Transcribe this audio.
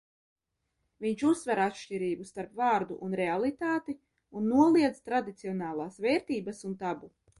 Viņš uzsver atšķirību starp vārdu un realitāti un noliedz tradicionālās vērtības un tabu.